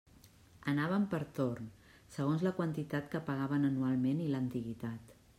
Anaven per torn, segons la quantitat que pagaven anualment i l'antiguitat.